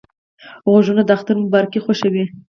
غوږونه د اختر مبارکۍ خوښوي